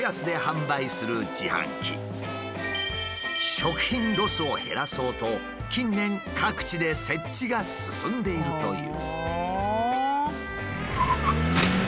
食品ロスを減らそうと近年各地で設置が進んでいるという。